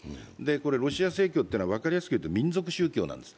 ロシア正教というのは分かりやすく言うと民族宗教なんです。